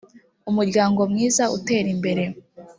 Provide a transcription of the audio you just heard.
umuryango mwiza utera imbere